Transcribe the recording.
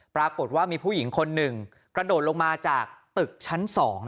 ปรากฏว่ามีผู้หญิงคนหนึ่งกระโดดลงมาจากตึกชั้น๒